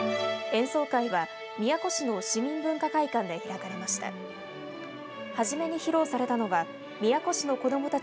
演奏会は宮古市の市民文化会館で開かれました。